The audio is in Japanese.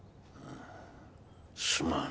すまん。